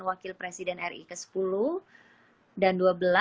wakil presiden ri ke sepuluh dan ke dua belas